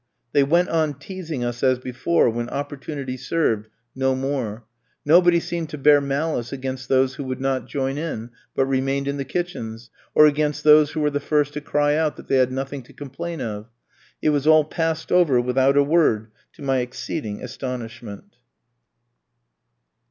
They went on teasing us as before when opportunity served, no more. Nobody seemed to bear malice against those who would not join in, but remained in the kitchens, or against those who were the first to cry out that they had nothing to complain of. It was all passed over without a word, to my exceeding astonishment.